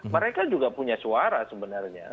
mereka juga punya suara sebenarnya